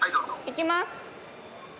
いきます！